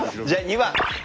２番！